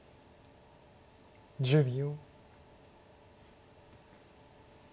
１０秒。